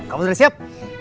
kamu sudah siap